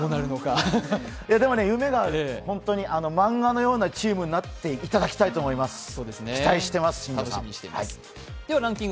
でも夢がある、本当に漫画のようなチームになっていただきたいと思います。